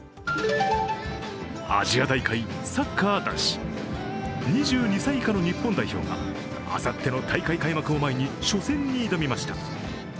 アジア大会サッカー男子、２２歳以下の日本代表があさっての大会開幕を前に初戦に挑みました。